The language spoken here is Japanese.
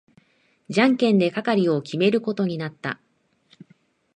じゃんけんで係を決めることになった。